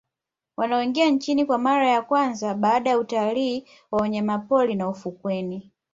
Wanaoingia nchini kwa mara ya kwanza baada ya utalii wa wanyamapori na ufukweni